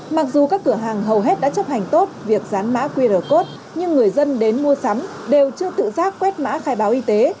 mặc dù các cửa hàng hầu hết đã chấp hành tốt việc dán mã qr code nhưng người dân đến mua sắm đều chưa tự giác quét mã khai báo y tế